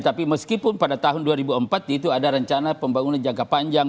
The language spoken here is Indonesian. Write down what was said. tapi meskipun pada tahun dua ribu empat itu ada rencana pembangunan jangka panjang